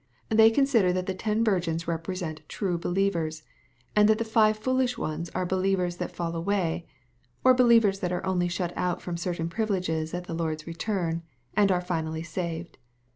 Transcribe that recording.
They consider that the ten virgins represent true believers, and that the five foolish ones are believers that fall away — or believers that are only shut out fi:om certain privileges at the Lord's return, and are finally saved.